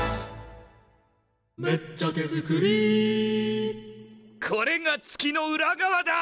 「めっちゃ手作り」これが月の裏側だ！